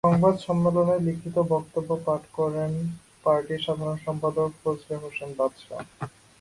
সংবাদ সম্মেলনে লিখিত বক্তব্য পাঠ করেন পার্টির সাধারণ সম্পাদক ফজলে হোসেন বাদশা।